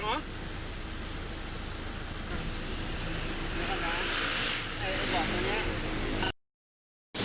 ไม่เห็นหรอ